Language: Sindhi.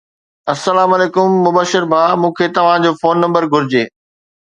السلام عليڪم مبشر ڀاءُ مون کي توهان جو فون نمبر گهرجي